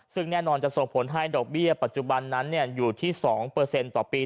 ซึ่งแน่นอนจะส่งผลให้ดอกเบี้ยปัจจุบันนั้นอยู่ที่๒ต่อปี